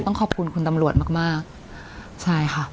ต้องขอบคุณคุณตำรวจมากมากใช่ค่ะ